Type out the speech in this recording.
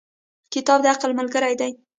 • کتاب د عقل ملګری دی.